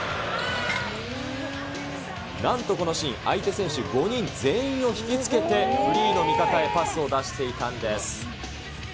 なんとこのシーン、相手選手５人全員を引き付けて、フリーの味方へパスを出していたんです。